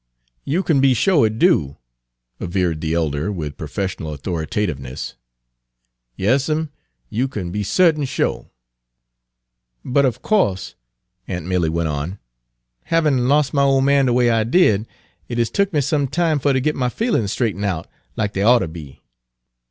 "You kin be sho' it do," averred the elder, with professional authoritativeness; "yas 'm, you kin be cert'n sho'." "But, of co'se," aunt Milly went on, "havin' los' my ole man de way I did, it has tuk me some time fer ter git my feelin's straighten' out like dey oughter be."